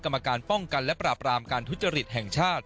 กรรมการป้องกันและปราบรามการทุจริตแห่งชาติ